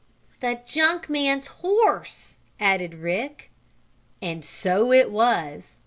"The junk man's horse," added Rick. And so it was.